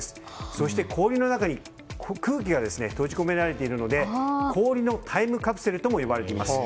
そして氷の中に空気が閉じ込められているので氷のタイムカプセルとも呼ばれています。